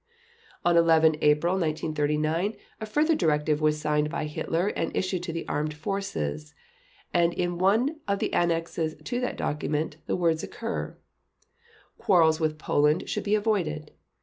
On 11 April 1939 a further directive was signed by Hitler and issued to the Armed Forces, and in one of the annexes to that document the words occur: "Quarrels with Poland should be avoided.